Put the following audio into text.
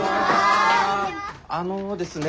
あのですね